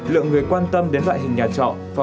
lượng người quan tâm đến loại hình nhà trọ